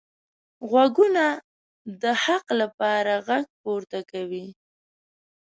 غوږونه د حق لپاره غږ پورته کوي